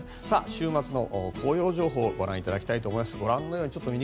週末の紅葉情報ご覧いただきたいと思います。